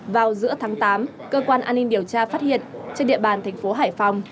vào giữa tháng tám cơ quan an ninh điều tra phát hiện trên địa bàn thành phố hải phòng